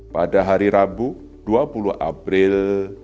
pada hari rabu dua puluh april